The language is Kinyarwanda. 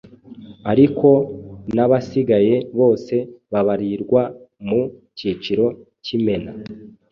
ariko n’abasigaye bose babarirwa mu kiciro cy’Imena.